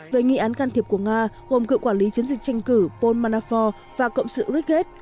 về nghi án can thiệp của nga gồm cựu quản lý chiến dịch tranh cử paul manafort và cộng sự rick gates